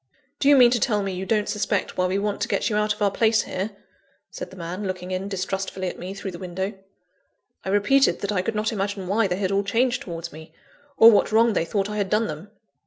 "Do you mean to tell me you don't suspect why we want to get you out of our place here?" said the man, looking in distrustfully at me through the window. I repeated that I could not imagine why they had all changed towards me, or what wrong they thought I had done them.